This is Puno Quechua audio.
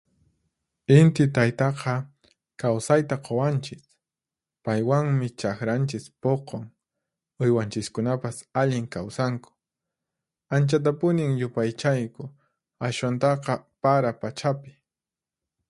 Inti Taytaqa kawsayta quwanchis. Paywanmi chaqranchis puqun, uywanchiskunapas allin kawsanku. Anchatapunin yupaychayku, ashwantaqa para pachapi.